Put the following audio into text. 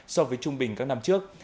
so với trung bình các năm trước